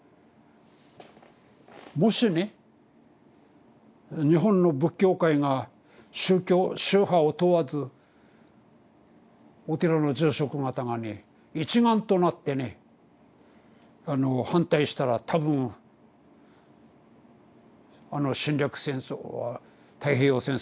もしね日本の仏教界が宗派を問わずお寺の住職方がね一丸となってね反対したら多分あの侵略戦争は太平洋戦争は防げたんでないかっていう。